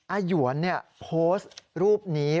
หยวนโพสต์รูปนี้